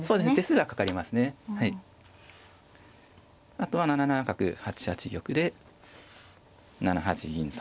あとは７七角８八玉で７八銀と。